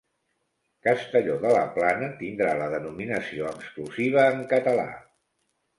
Castelló de la Plana tindrà la denominació exclusiva en català